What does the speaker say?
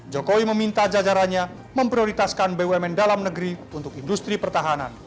jokowi meminta jajarannya memprioritaskan bumn dalam negeri untuk industri pertahanan